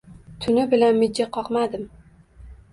Tuni bilan mijja qoqmadim